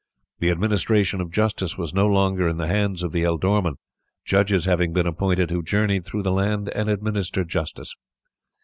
The administration of justice was no longer in the hands of the ealdormen, judges having been appointed who journeyed through the land and administered justice.